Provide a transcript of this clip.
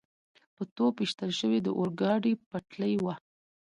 په توپ ویشتل شوې د اورګاډي پټلۍ وه.